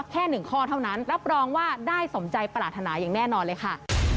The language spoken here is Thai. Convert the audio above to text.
แค่๑ข้อเท่านั้นรับรองว่าได้สมใจปรารถนาอย่างแน่นอนเลยค่ะ